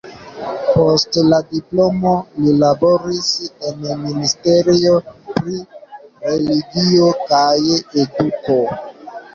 Post la diplomo li laboris en ministerio pri Religio kaj Eduko.